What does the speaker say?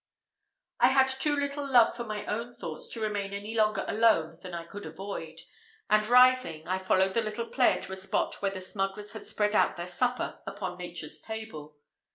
I had too little love for my own thoughts to remain any longer alone than I could avoid, and rising, I followed the little player to a spot where the smugglers had spread out their supper upon Nature's table.